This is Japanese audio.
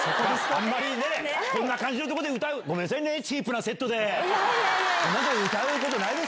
あんまりね、こんな感じのところで歌う、ごめんなさいね、チープなセットいや、いや、いや。